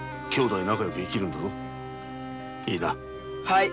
いいな。